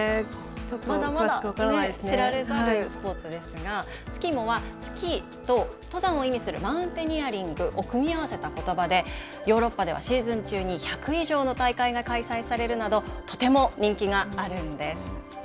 まだまだ知られざるスポーツですが、スキーモは、スキーと、登山を意味するマウンテニアリングを組み合わせたことばで、ヨーロッパではシーズン中に１００以上の大会が開催されるなど、とても人気があるんです。